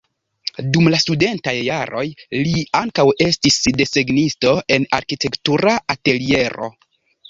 Dum la studentaj jaroj li ankaŭ estis desegnisto en arkitektura ateliero.